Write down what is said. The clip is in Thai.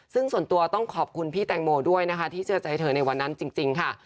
ซึ่งส่วนตัวต้องขอบคุณพี่แตงโมด้วยนะคะที่เชื่อใจเธอในวันนั้นจริงค่ะ